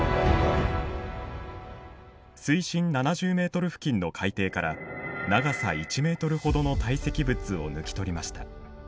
水深７０メートル付近の海底から長さ１メートルほどの堆積物を抜き取りました。